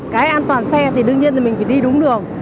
cái an toàn xe thì đương nhiên là mình phải đi đúng đường